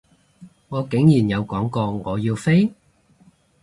我竟然有講過我要飛？